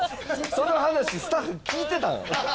その話スタッフ聞いてたん？